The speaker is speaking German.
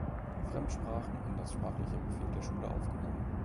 Fremdsprache in das sprachliche Profil der Schule aufgenommen.